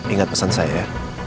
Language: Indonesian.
ingat pesan saya ya